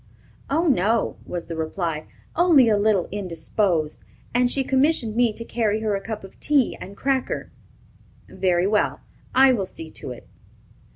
"Oh, no," was the reply, "only a little indisposed, and she commissioned me to carry her a cup of tea and cracker." "Very well, I will see to it."